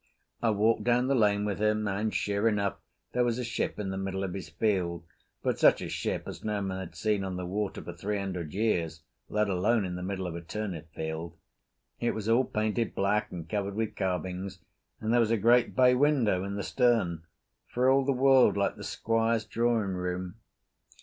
I walked down the lane with him, and sure enough there was a ship in the middle of his field, but such a ship as no man had seen on the water for three hundred years, let alone in the middle of a turnip field. It was all painted black and covered with carvings, and there was a great bay window in the stern for all the world like the Squire's drawing room.